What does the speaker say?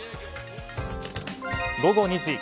午後２時。